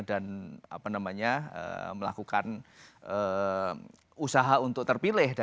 dan apa namanya melakukan usaha untuk terpilih